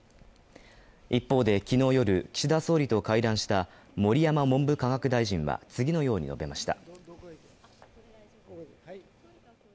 一方で昨日夜、岸田総理と会談した盛山文部科学大臣は次のように述べました。